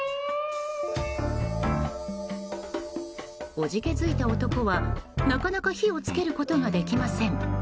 怖じ気づいた男は、なかなか火を付けることができません。